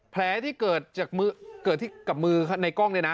แผลที่เกิดกับมือในกล้องเนี่ยนะ